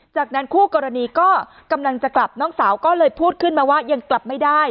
จากนั้นคู่กรณีก็กำลังจะกลับน้องสาวก็เลยพูดขึ้นมาว่ายังกลับไม่ได้